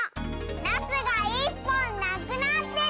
ナスが１ぽんなくなってる！